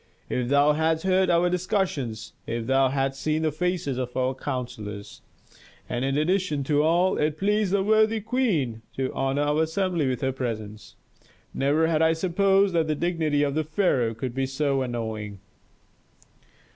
If thou hadst heard our discussions, if thou hadst seen the faces of our counsellors! And in addition to all, it pleased the worthy queen to honor our assembly with her presence. Never had I supposed that the dignity of pharaoh could be so annoying."